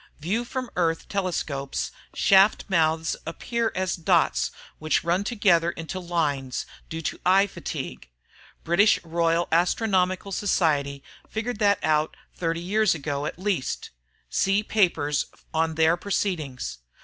view from Earth telescopes, shaft mouths appear as dots which run together into lines due to eye fatigue ... British Royal Astronomical Society figured that out 30 years ago at least ... see papers on their proceedings